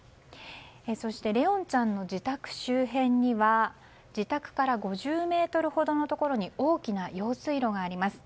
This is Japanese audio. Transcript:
そして怜音ちゃんの自宅周辺には自宅から５０ｍほどのところに大きな用水路があります。